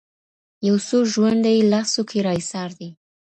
يو څو ژونده يې لاسو کي را ايسار دي,